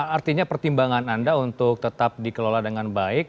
artinya pertimbangan anda untuk tetap dikelola dengan baik